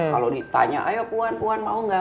kalau ditanya ayo puan puan mau nggak